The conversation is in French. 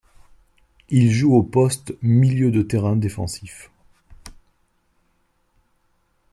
Il joue au poste milieu de terrain défensif.